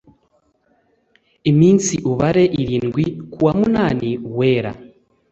Iminsi ubare irindwi kuwa munani uwera